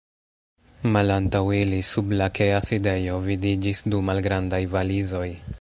Malantaŭ ili, sub lakea sidejo vidiĝis du malgrandaj valizoj.